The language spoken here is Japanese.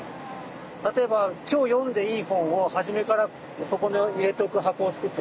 例えば今日読んでいい本を初めからそこに入れておく箱を作っとくとか。